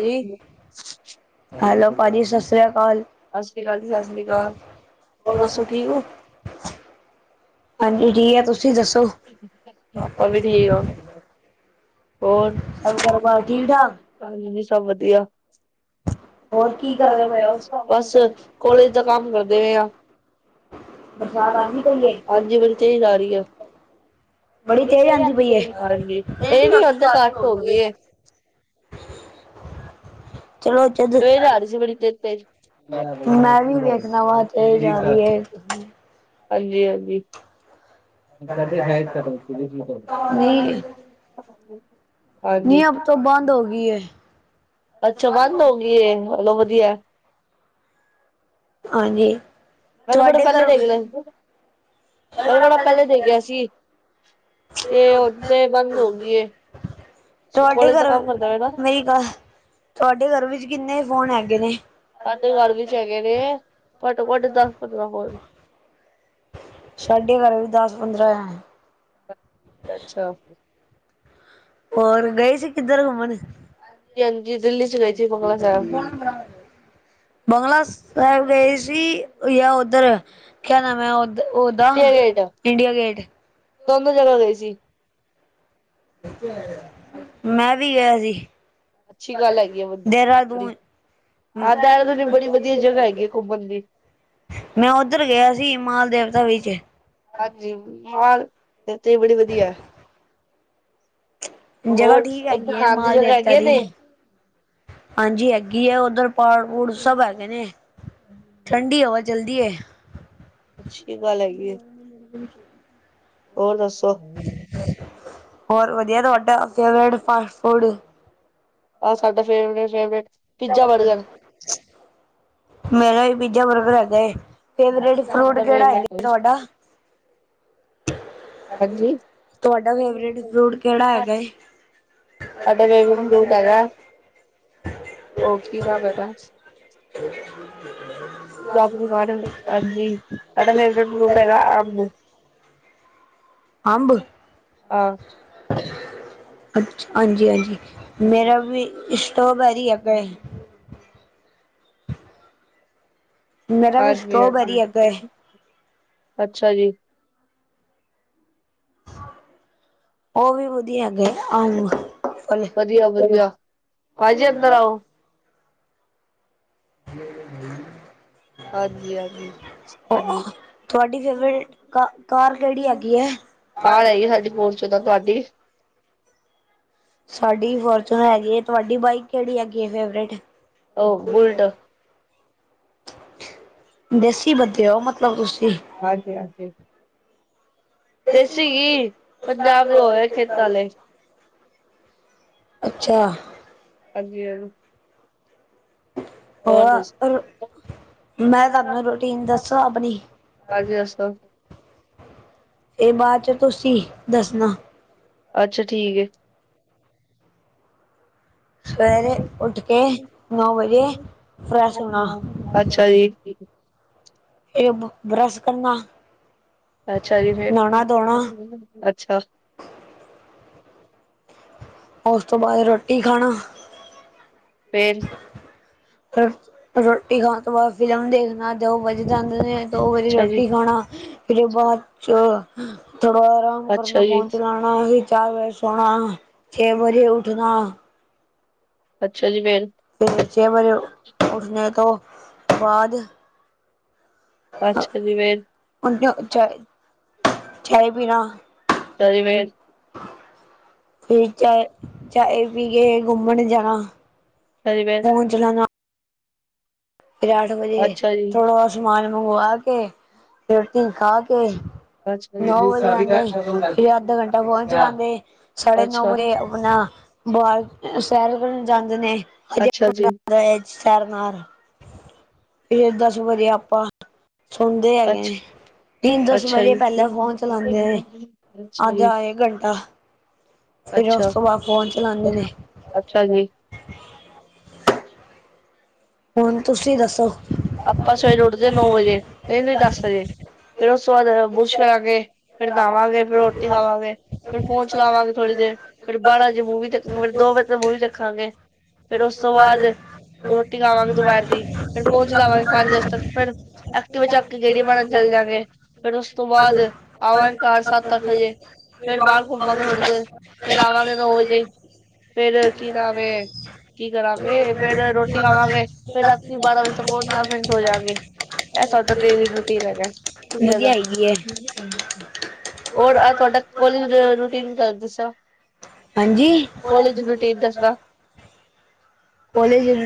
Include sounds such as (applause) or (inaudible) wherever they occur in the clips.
ਜੀ ਹੈਲੋ ਭਾਜੀ ਸਤਿ ਸ੍ਰੀ ਅਕਾਲ, ਸਤਿ ਸ੍ਰੀ ਆਕਾਲ। ਹੋਰ ਸਬ ਠੀਕ ਹੋ ਹਾਂਜੀ ਠੀਕ ਆ, ਤੁਸੀਂ ਦੱਸੋ? ਆਪਾ ਵੀ ਠੀਕ ਆ, ਹੋਰ ਵਧੀਆ ਸਭ? ਹਾਂਜੀ ਨ ਸਭ ਵਧੀਆ ਹੋਰ ਕੀ ਕਰਦੇ ਪਏ ਉਹ ਬਸ, ਕਾਲੇਜ ਦਾ ਕੰਮ ਕਰਦੇ ਹੋਏ ਆ। ਅਵਾਜ਼ ਆਉਂਦੀ ਪਈ ਏ, ਹਾਂਜੀ ਬੜੀ ਠੀਕ ਆ ਰਹੀ ਏ ਬੜੀ ਤੇਜ਼ ਆਉਂਦੀ ਪਈ, ਹਾਂਜੀ ਇਹ ਤਾਂ ਹੁਣ ਘਟ ਹੋ ਗਏ ਸਵੇਰੇ ਆ ਰਹੀ ਸੀ ਬੜੀ ਤੇਜ਼-ਤੇਜ਼ ਮੈਂ ਵੀ ਵੇਖਣਾ ਵਾ ਤੇ ਜਾ ਵੀ ਹੈ ਹਾਂਜੀ -ਹਾਂਜੀ। ਕਦੇ ਸਾਹਿ ਨੀ ਅਬ ਤੋਂ ਬੰਦ ਹੋ ਗਈ ਏ, ਅੱਛਾ ਬੰਦ ਹੋਗੀ ਐ, ਚਲੋ ਵਧੀਆ। ਹਾਂਜੀ। ਮੈਂ ਤਾਂ ਬੜਾ ਪਹਿਲੇ ਦੇਖ ਲਿਆ ਸੀ, ਮੈਂ ਤੇ ਬੜਾ ਪਹਿਲੇ ਦੇਖਿਆ ਸੀ। ਤੇ ਓ ਤੇ ਬੰਦ ਹੋ ਗਈ ਏ। ਤੁਹਾਡੇ ਘਰ ਮਹਿਕਾ, ਤੁਹਾਡੇ ਘਰ ਵਿੱਚ ਕਿੰਨੇ ਫੋਨ ਹੈਗੇ ਨੇ? ਸਾਧੇ ਘਰ ਵਿੱਚ ਹੈਗੇ ਨੇ। ਘੱਟੋ ਘੱਟ ਦਸ ਪੰਦਰਾਂ ਫੋਨ। ਸਾਡੇ ਵਰ ਵੀ ਦਸ ਪੰਦਰਾਂ ਐ। ਅੱਛਾ। ਹੋਰ ਗਏ ਸੀ ਕਿੱਧਰ ਘੁੰਮਣ? ਬੰਗਲਾ ਸਾਹਿਬ ਗਏ ਸੀ। ਜਾਂ ਉਧਰ ਕਿਆ ਨਾਮ ਐ ਉਧਰ। India Gate. ਦੋਨੋ ਜਗ੍ਹਾ ਗਏ ਸੀ। (inaudible) ਮੈਂ ਵੀ ਗਿਆ ਸੀ। (unintelligible) ਦੇਹਰਾਦੂਨ। ਹਾਂ ਦੇਹਰਾਦੂਨ ਵੀ ਬੜੀ ਵਧੀਆ ਜਗ੍ਹਾ ਹੈਗੀ ਹੈ ਘੁੰਮਣ ਦੀ। ਮੈਂ ਉੱਧਰ ਗਿਆ ਸੀ ਮਾਲ ਦੇਨ ਗਲੀ ਚ, ਹਾਂਜੀ ਤੇਰੀ ਬੜੀ ਵਧੀਆ, ਜਗ੍ਹਾ ਠੀਕ ਹੈਗੀ ਹੈ, ਮਾਲ ਦੇਵਤਾ ਦੀ। ਹਾਂਜੀ ਹੈਗੀ ਆ, ਓਧਰ ਪਹਾੜ ਪੂੜ ਸਭ ਹੈਗੇ ਨੇ। ਠੰਡੀ ਹਵਾ ਚਲਦੀ ਹੈ। ਅਛੀ ਗੱਲ ਹੈਗੀ ਏ, (unintelligible) ਉਹ ਦੱਸ? ਹੋਰ ਵਧੀਆ ਤੁਹਾਡਾ ਫੇਵਰੇਟ ਫਾਸਟ ਫੂਡ। ਆਹ ਸਾਡਾ ਫੇਵਰੇਟ ਫੇਵਰੇਟ ਪੀਜ਼ਾ ਬੜਗੜ। ਮੇਰਾ ਵੀ ਪੀਜਾ ਬਰਗਰ ਹੈਗਾ ਐ। ਫੇਵਰਟ ਫਰੂਟ ਕਿਹੜਾ ਹੈਗਾ ਤੁਹਾਡਾ। ਤੁਹਾਡਾ ਫੇਵਰੇਟ ਫਰੂਟ ਕਿਹੜਾ ਹੈਗਾ ਏ? (inaudible) ਹੋਰ ਕੀ ਹਿਸਾਬ ਹੈਗਾ? ਹਾਂਜੀ ਸਾਡਾ ਫੇਵਰਟ ਫਰੂਟ ਹੈਗਾ ਅੰਬ। ਅੰਬ। ਅੱਛਾ ਹਾਂਜੀ ਹਾਂਜੀ ਮੇਰਾ ਵੀ ਸਟੋਬੈਰੀ ਹੈਗਾ। ਹਾਂਜੀ, ਹਾਂਜੀ ਅੱਛਾ ਜੀ ਉਹ ਵੀ ਵਧੀਆ ਹੈਗੇ (inaudible) ਵਧੀਆ-ਵਧੀਆ, ਪਾਜੀ ਅੰਦਰ ਆਓ। ਹਾਂਜੀ, ਹਾਂਜੀ, ਹਾਂਜੀ। (unintelligible) ਸਾਡੀੇ ਫੋਨ ਚੋ ਤਾਂ ਤੁਹਾਡੀ। ਸਾਡੀ ਫੋਰਚੂਨ ਹੈਗੀ ਏ, ਤੁਹਾਡੀ ਬਾਈਕ ਕਿਹੜੀ ਹੈਗੀ ਏ ਫੇਵਰੇਟ? ਉਹ ਬੁਲਟ। ਦੇਸੀ ਬਦੇ ਹੋ ਮਤਲਬ ਤੁਸੀਂ। ਹਾਂਜੀ, ਹਾਂਜੀ। ਦੇਸੀ ਘੀ, ਪਜਾਬ ਦੇ ਹੋਏ ਖੇਤਾ ਆਲੇ। ਅੱਛਾ। ਹਾਂਜੀ, ਹਾਂ। ਔਰ ਅ ਮੈਂ ਤਾਂ ਆਪਣਾ ਰੂਟੀਨ ਦੱਸਾਂ ਆਪਣੀ? ਇਹ ਬਾਅ ਚ ਤੁਸੀਂ ਦੱਸਣਾ। ਅੱਛਾ ਠੀਕ ਏ। ਸਵੇਰੇ ਉੱਠ ਕੇ ਨੌ ਵਜੇ ਫਰੈਸ਼ ਹੋਣਾ। ਅੱਛਾ ਜੀ। ਇਹ ਬਰੈਸ਼ ਕਰਨਾ। ਅੱਛਾ ਜੀ ਫੇਰ ਅੱਛਾ। ਓਸ ਤੋਂ ਬਾਦ ਰੋਟੀ ਖਾਣਾ। ਫੇਰ। ਫੇਰ ਰੋਟੀ ਖਾਣ ਤੋਂ ਬਾਦ ਫਿਲਮ ਦੇਖਣਾ ਦੋ ਵੱਜ ਜਾਂਦੇ ਨੇ। ਦੋ ਵਜੇ ਰੋਟੀ ਖਾਣਾ ਫਿਰ ਬਾਦ ਚ ਥੋੜ੍ਹਾ ਆਰਾਮ ਕਰਨਾ ਫ਼ੋਨ ਚਲਾਣ ਤਾਹੀ ਚਾਰ ਵਜੇ ਸੋਣਾ ਛੇ ਬਜੇ ਉਠਣਾ। ਅੱਛਾ ਜੀ, ਫੇਰ। ਫਿਰ ਛੇ ਵਜੇ ਉੱਠਣੇ ਤੋਂ ਬਾਦ ਅਜ ਕਲੀ ਵੇਰ ਹੁਣ ਕੀ ਔ ਚਾਏ, ਚਾਏ ਪੀਣਾ। ਤਾ ਜਿਵੇ ਫਿਰ ਚਾਏ, ਚਾਏ ਪੀ ਕੇ ਘੁੰਮਣ ਜਾਣਾ। ਫ਼ੋਨ ਚਲਾਨਾ ਫਿਰ ਅੱਠ ਵਜੇ ਥੋੜਾ ਸਮਾਨ ਮੰਗਵਾ ਕੇ ਤੇ ਰੋਟੀ ਖਾ ਕੇ। ਨੌ ਵਜ ਜਾਂਦੇ, ਫੇਰ ਅੱਧਾ ਘੰਟਾ ਫੋਨ ਚਲਾਦੇ। ਸਾੜੇ ਨੌ ਵਜੇ ਆਪਣਾ ਬਾਦ ਚ ਸੈਰ ਕਰਨ ਜਾਂਦੇ ਨੇ (unintelligible) ਬੜਾ ਮਜ਼ਾ ਆਂਦਾ ਸੈਰ ਨਾਲ। ਫੇਰ ਦਸ ਵਜੇ ਆਪਾਂ ਸੁਣਦੇ ਹੈਗੇ। ਤਿੰਨ ਦਸ ਵਜੇ ਪਹਿਲਾਂ ਫੋਨ ਚਲਾਦੇ ਨੇ ਅੱਧਾ-ਇੱਕ ਘੰਟਾ। ਫੇਰ ਓਸ ਤੋਂ ਬਾਦ ਫੋਨ ਚਲਾਂਦੇ ਨੇ। ਅੱਛਾ ਜੀ। ਹੁਣ, ਤੁਸੀਂ ਦੱਸੋ? ਆਪਾਂ ਸਵੇਰੇ ਉੱਠਦੇ ਨੌ ਵਜੇ ਨਹੀਂ, ਨਹੀਂ ਦਸ ਵਜੇ ਫੇਰ ਓਸ ਤੋਂ ਬਾਦ ਬੁਰਸ਼ ਕਰਾਂਗੇ, ਫੇਰ ਦਾਵਾਂਗੇ, ਫੇਰ ਰੋਟੀ ਖਾਵਾਂਗੇ। ਫੇਰ ਫੋਨ ਚਲਾਵਾਂਗੇ ਥੋੜ੍ਹੀ ਦੇਰ, ਫੇਰ ਬਾਰਾਂ ਜੇ ਮੂਵੀ ਦੇਖਾਂਗੇ ਫੇਰ ਦੋ ਵਜੇ ਤਕ ਮੂਵੀ ਦੇਖਾਂਗੇ। ਫੇਰ ਉਸ ਤੋਂ ਬਾਅਦ ਰੋਟੀ ਖਾਵਾਂਗੇ, ਦੁਪੈਰ ਦੀ ਫਿਰ ਬੌ ਚਲਾਵਾਂਗੇ ਪੰਜ ਦਸ ਤੱਕ ਫੇਰ ਐਕਟਿਵਾ, ਚਾਕੇ ਗੇੜੀ ਮਾਰਨ ਚੱਲੇ ਜਾਗੇ, ਫੇਰ ਓਸ ਤੋਂ ਬਾਦ ਆਵਾਂਗੇ ਚਾਰ ਸੱਤ ਅੱਠ ਵਜੇ ਫੇਰ ਬਾਰ ਘੁੰਮਾਂਗੇ, ਥੋੜੀ ਦੇਰ ਫਿਰ ਆਵਾਂਗੇ ਨੋ ਵਜੇ। ਫੇਰ ਕੀ ਨਾਮ ਏ, ਕੀ ਕਰਾਂਗੇ ਫੇਰ ਰੋਟੀ ਖਾਵਾਂਗੇ ਫੇਰ ਰਾਤੀ ਬਾਰਾਂ ਵਜੇ ਲਾ ਫਿਰ ਸੋ ਜਾਗੇ ਐ, ਸਾਡਾ ਡੇਲੀ ਰੁਟੀਣ ਹੈਗੈ ਕੁੁਟੀਆ ਦਾ। ਹੋਰ ਆਹ ਤੁਹਾਡਾ ਕਾਲਜ ਰੂਟੀਨ ਜਰਾ ਦੱਸਿਔ। ਕੋਲਜ ਰੂਟੀਣ ਦੱਸਣਾ।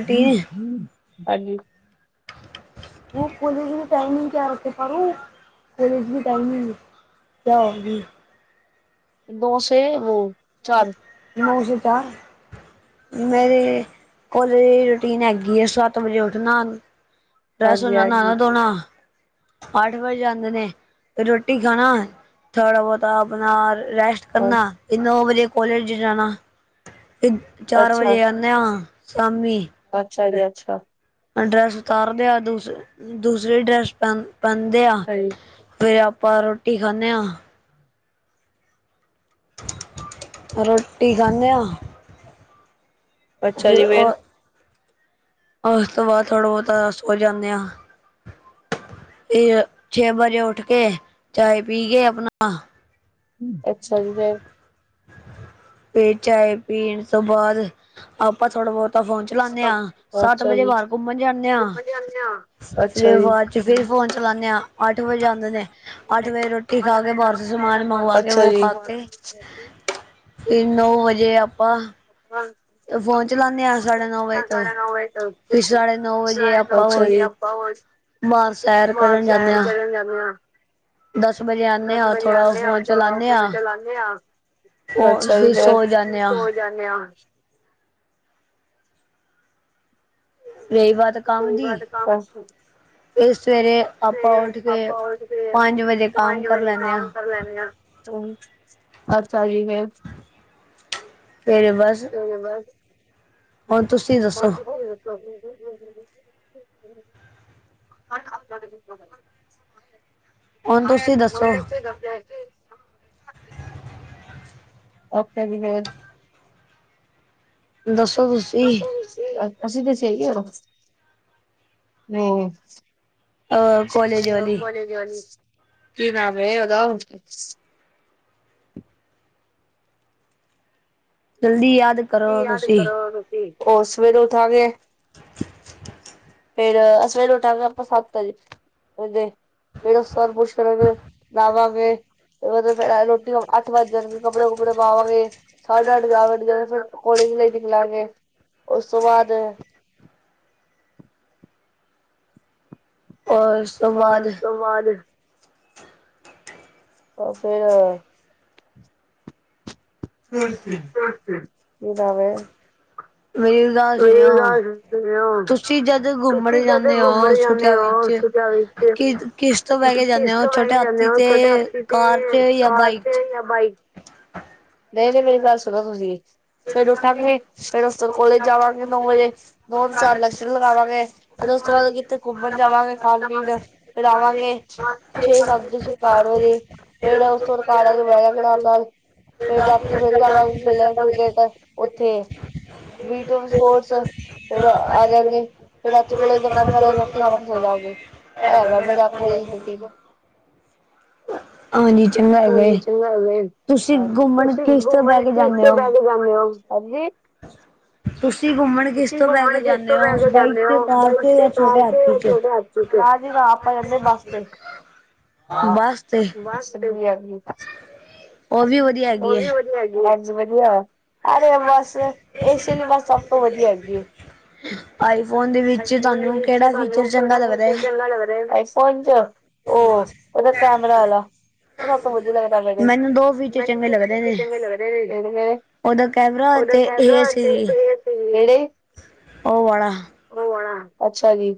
ਹਾਂਜੀ। ਓਹ ਕੋਲੇਜ ਟਾਈਮਿੰਗ ਕਿਆ, ਰੱਖੇ ਸਾਰੂ ਕੌਲੇਜ ਦੀ ਟਾਈਮਿੰਗ। ਕਾਰੂੰਗੀ। (inaudible) ਦੋ ਸੇ ਵੋਹ (unintelligible) ਨੌ ਸੋ ਚਾਰ। ਮੇਰੇ ਕੋਲੇ ਰੂਟੀਨ ਹੈਗੀ, ਏ ਸੱਤ ਵਜੇ ਉੱਠਣਾ। ਫ੍ਰੈਸ ਹੋਨਾ, ਨਾਣਾ-ਧੋਣਾ। ਅੱਠ ਵਜ ਜਾਂਦੇ ਨੇ ਤੇ ਰੋਟੀ ਖਾਣਾ, ਥੋੜਾ ਬੌਤਾ ਅਪਣਾ ਰੈਸਟ ਕਰਣਾ ਫਿਰ ਨੌ ਵਜੇ ਕੋਲੇਜ ਜਾਣਾ, ਚਾਰ ਵਜੇ ਅ ਨਯਾ ਸਾਮੀ। ਅੱਛਾ ਜੀ ਅੱਛਾ। ਤੈ ਡਰੈਸ ਉਤਾਰਦੇ ਆ ਦੂਸ ਦੂਸਰੀ ਡਰੈਸ ਪੈਨ ਪੈਨਦੇ ਆ। ਫੇਰ ਆਪਾਂ ਰੋਟੀ ਖਾਂਣੇ ਆਂ। ਰੋਟੀ ਖਾਂਨੇ ਆਂ। ਅੱਛਾ ਜੀ ਫੇਰ। ਓਸ ਤੋਂ ਬਾਅਦ ਥੋੜ੍ਹਾ ਬੋਤਾ ਸੋ ਜਾਂਨੇ ਆਂ। ਇਹ ਛੇ ਵਜੇ ਉੱਠ ਕੇ ਚਾਏ ਪੀ ਕੇ ਅਪਣਾ ਅੱਛਾ ਜੀ ਫੇਰ। ਫਿਰ ਚਾਏ ਪੀਣ ਤੋਂ ਬਾਦ ਆਪਾਂ ਥੋੜ੍ਹਾ ਬੌਤ ਤਾਂ ਫੋਨ ਚਲਾਨੇ ਆ, ਸੱਤ ਵਜੇ ਬਾਹਰ ਘੁੰਮਣ ਜਾਂਨੇ ਆ। ਜਾਂਨੇ ਆ ਫਿਰ ਬਾਅਦ ਚ ਫੇਰ ਫੋਨ ਚਲਾਨੇ ਆ, ਅੱਠ ਵਜੇ ਜਾਂਦੇ ਨੇ ਅੱਠ ਵਜੇ ਰੋਟੀ ਖਾ ਕੇ ਬਾਹਰ ਸੇ ਸਮਾਨ ਮੰਗਵਾ ਕੇ, ਉਹ ਖਾ ਕੇ ਤੇ ਨੌ ਵਜੇ ਆਪਾਂ ਹਾਂ (inaudible) ਅਛਾ ਜੀ। ਬ (unintelligible) ਸੈਰ ਕਰਨ ਜ ਦਸ ਵਜੇ (inaudible) ਨੇ ਆਂ। ਰਹੀ ਬਾਤ ਕੰਮ ਦੀ ਏਹ ਸਵੇਰੇ ਤੇ ਆਪਾ ਉਠ ਕੇ ਪੰਜ ਵਜੇ ਕੰਮ ਕਰ ਲੈਂਨੇ ਆ। (inaudible) ਫੇਰ ਬਸ (inaudible) (inaudible) (inaudible) ਓਕੇੇ ਦੱਸੋ ਕੁ? ਅਸੀਂ ਤੇ ਸ (unintelligible) ਨਹੀਂ ਬੋਲੀ (unintelligible) ਕੀ ਨਾਮ ਹੈ ਉਹਦਾ? ਜਲਦੀ ਯਾ। ਕੀ ਯਾਦ ਕਰੋ ਤੁਸੀਂ, ਉਸ ਸਵੇਰੇ ਉਠਾ ਗੇ (unintelligible) ਫੇਰ ਸਵੇਰੇ ਉਠਾਂਗੇ ਆਪਾਂ ਸੱਤ ਫੇਰ ਉਹਨੂੰ ਲਵਾਂਗੇ ਉ ਤੇ ਫੇਰ ਸਾਢੇ ਅੱਠ ਜਾ ਫਿਰ ਕੋਲੇਜ ਲਈ ਨਿਕਲਾਂਗੇ। ਉਸ ਤੋਂ ਬਾਅਦ ਔਰ ਪਰਰ ਉਸ ਤੋਂ ਬਾਅਦ ਉਹ ਫੇਰ ਤੁਰਕੇ, ਤੁਰਕੇ ਮੇਰੀ ਵੀ ਗੱਲ ਸੁਣਿਓ (unintelligible) ਤੁਸੀਂ, ਜਦੋਂ ਘੁੰਮਣ ਜਾਂਨੇ ੳ ਛੁੱਟੀਆਂ ਚ ਕਿਸ ਤੋਂ ਬਹਿ ਕੇ ਜਾਂਨੇ ੳ? ਛੋਟੇ ਹਥੀ ਤੇ ਕਾਰ ਤੇ ਯਾ ਬਾਈਕ ਨਹੀਂ, ਨਹੀਂ ਮੇਰੀ ਗੱਲ ਸੁਣੋ ਤੁਸੀਂ। ਫੇਰ ਉਠਾਂਗੇ ਫੇਰ ਉਸ ਤੋਂ ਕੋਲੇਜ ਜਾਵਾਂਗੇ। ਨੌ ਵਜੇ ਨੋ ਜੇ ਤੋ ਚਾਰ ਲੈਕਚਰ ਲਗਾਵਾਂਗੇ। ਫਿਰ ਉਸ ਤੋਂ ਬਾਅਦ ਕਿੱਤੇ ਘੁੰਮਣ ਜਾਵਾਂਗੇ। ਖਾਣ ਪੀਣ, ਫੇਰ ਆਵਾਂਗੇ। ਛੇ ਸਤ ਵਜੇ ਘਾਰ (inaudible) ਫੇਰ ਰਾ (unintelligible) ਗੇਟ ਉਥੇ ਬਟ ਸਪੋਰਟਸ (inaudible) ਏਗਾ ਫੇਰ ਹਾਂਜੀ ਚੰਗਾ ਐਗਾ ਏ। ਤੁਸੀਂ ਗੁੰਮ ਤੁਸੀਂ ਘੁੰਮਣ ਕਿਸ ਤੋਂ ਪਹਿਲੇ ਜਾਂਦੇ ਓ, ਸਰ ਜੀ? ਤੁਸੀਂ ਘੁੰਮਣ ਜਿਸ ਤੋਂ ਬੈ ਕੇ ਜਾਂਨੇ ਓ? (unintelligible) ਹਾਂਜੀ ਨਾ ਆਪਾਂ ਜਾਂਦੇ ਆ ਬਸ ਤੇ। ਬਸ ਤੇ। (unintelligible) (inaudible) ਉਹ ਵੀ ਵਧੀਆ ਹੈਗੀ ਹੈ ਹਾਂਜੀ ਵਧੀਆ ਅਰੇ ਬਸ ਇਸੇ ਲਈ ਬਸ ਸਭ ਤੋਂ ਵਧੀਆ ਹੇਗੀ ਏ ਰ ਮ ਵਿੱਚ ਤਹਾਨੂੰ ਕਿਹੜਾ ਮ ਚ ਨਾਲ ਵਰੇ (inaudible) ਫ ਉਹ ਉਹਦਾ ਕੈਮਰਾ ਵਾਲਾ ਉਹ ਸਭ ਤੋਂ ਵਧੀਆ ਲੱਗਦਾ ਮੇਰੇ ਚ ਦੋ ਬੀਜ (unintelligible) (unintelligible) (unintelligible) ਕੇੜੇ? ਉਹ ਵਾੜਾ। (unintelligible) ਉਹ ਵਾਲਾ। ਅੱਛਾ ਜੀ।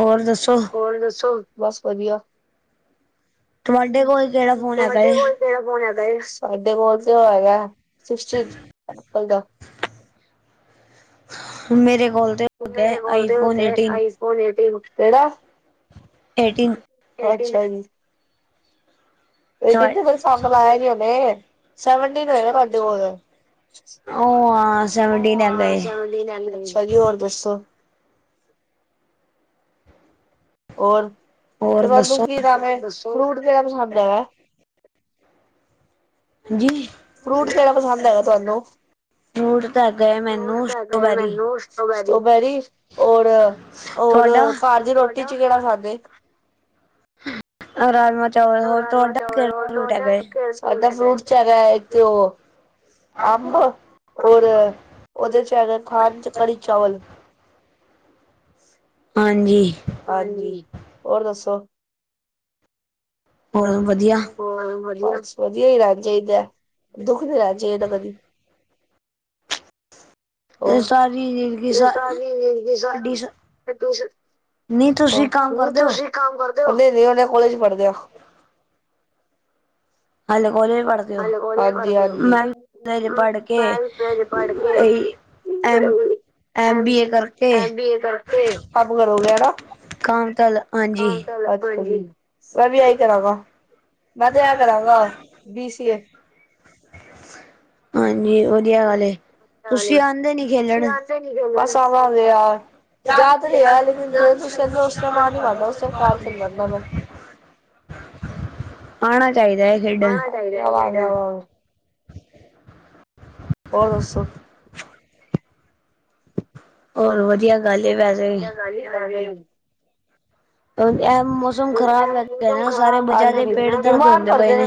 ਔਰ ਦੱਸ ਹੋਰ ਦੱਸੋ? ਬਸ ਵਧੀਆ। ਤੁਹਾਡੇ ਕੋਲ ਕਿਹੜਾ ਫੋਨ ਹੈਗਾ ਏ? ਸਾਡੇ ਕੋਲ ਤੇ ਹੈਗਾ (inaudible) ਪਲ ਦਾ ਮੇਰੇ ਕੋਲ ਤੇ ਮੇਰੇ ਕੋਲ ਤੇ (unintelligible) ਆਈ ਫੋਨ ਏਟੀਨ, ਕਿਹੜਾ? ਅੱਛਾ ਜੀ (inaudible) ਉਹ ਆਂ, ਸੈਵਨਟੀਨ ਏ ਅੱਛਾ ਜੀ ਹੋਰ ਦੱਸੋ ਔਰ ਤੁਹਾਨੂੰ ਕੀ ਨਾਮ ਹੈ ਰੂਟ ਫੇਰ ਪਸੰਦ ਆਇਆ (unintelligible) ਫਰੂਟ ਕਿਹੜਾ ਪਸੰਦ ਹੇਗਾ ਤੁਹਾਨੂੰ ਦੂਰ ਤਾਂ ਗ ਮੈਨੂੰ (unintelligible) ਬੈਰੀ ਹੋਰ ਹੋਰ ਘਰ ਦੀ ਰੋਟੀ ਚ ਕਿਹੜਾ ਖਾਦੇ (inaudible) (inaudible) (unintelligible) (inaudible) ਅੰਬ ਔਰ ਉਹਦੇ ਚ ਹੈਗਾ ਥਾਂਣ ਚ ਕੜੀ ਚਾਵਲ। (unintelligible) ਹਾਂਜੀ। ਹਾਂਜੀ। ਔਰ ਦੱਸੋ? ਹੋਰ ਵਧੀਆ। ਹੋਰ ਵਧੀਆ ਸ ਵਧੀਆ ਈ ਰਹਿਣ ਚਾਹੀਦੇ। ਦੁੱਖ ਨ ਰਹਿਣਾ ਚਾਹੀਦਾ ਕਦੀ। (unintelligible) ਹੋਰ (unintelligible) (unintelligible) ਨੀ ਤੁਸੀਂ ਕਰਦੇ ਓ? ਨੀ ਨੀ ਮੈਂ ਤੇ ਕੋਲੇਜ ਈ ਪੜ੍ਹਦੇ ਆ। (unintelligible) (unintelligible) (inaudible) ਹਮ ਬਜ ਪਾੜ ਕੇ (unintelligible) (unintelligible) M B M B A ਕਰਕੇ ਕੰਮ ਕਰੋਗੇ ਨਾ। ਮੈਂ ਵੀ ਏਈ ਕਰਾਂਗਾ। ਮੈਂ ਤੇ ਐ ਕਰਾਂਗ (unintelligible) ਹਾਂਜੀ ਵਧੀਆ ਗੱਲ ਏ ਤੁਸੀ ਆਦੇ ਜਾਦ ਰ ਲੇ ਉਸ ਟਾਈਮ ਆ ਨੀ ਮਾਰਦਾ ਉਸ ਟਾਈਮ ਕਾਤ ਨ ਮਾਰਦਾ ਮੈਂ (unintelligible) ਆਣਾ ਚਾਹੀਦਾ ਹੈ। ਖੇਡਣ ਾਂ (unintelligible) (inaudible) ਹੋਰ ਦੱਸੋ ਹੋਰ ਵਧੀਆ (unintelligible) (unintelligible) (unintelligible) (unintelligible) ਮੌਸਮ ਖਰਾਬ ਹੈ। ਨਾ ਸਾਰੇ ਬਚਾ ਦੇ ਪੇਟ ਦਰਦ ਹੁੰਦੇ ਪਏ ਨੇ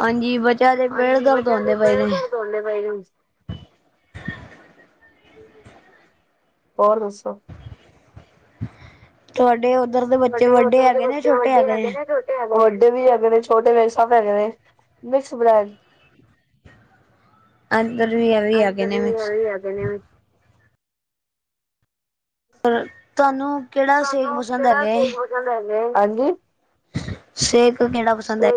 ਹਾਂਜੀ ਬਚਿਆ ਦੇ ਪੇਟ ਦਰਦ ਹੁੰਦੇ ਪਏ ਨੇ (inaudible) ਹੋਰ ਦੱਸੋ। ਵਡੇ ਓਦਰ ਦੇ ਵੱਡੇ ਵੱਡੇ ਹੈਗੇ ਨੇ ਵੱਡੇ ਵੀ ਹੈਗੇ ਨੇ, ਛੋਟੇ ਵੇ ਸਭ ਹੈਗੇ ਨੇ, ਮਿਕਸ ਬ੍ਰੈਂਡ। ਐਦਰ ਵੀ ਓਵੈਂ ਈ ਹੈਗੇ ਨੇ ਮਿਕਸ। ਹੈਗੇ ਨੇ ਪਰ ਤੁਹਾਨੂੰ ਕੇੜਾ ਸੇ਼ਕ ਪਸੰਦ ਹੈਗਾ ਏ। ਸੇ਼ਕ ਕੇਹੜਾ ਪਸੰਦ ਐ।